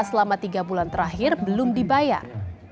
selama tiga bulan terakhir belum dibayar